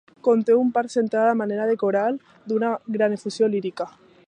Conté una part central a manera de coral, d'una gran efusió lírica.